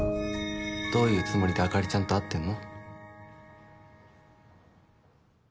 どういうつもりであかりちゃんと会ってんの？